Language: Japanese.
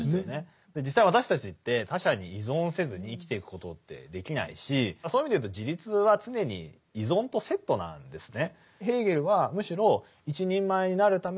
実際私たちって他者に依存せずに生きていくことってできないしそういう意味でいうと自立は常に依存とセットなんですね。